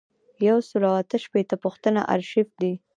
یو سل او اته شپیتمه پوښتنه آرشیف دی.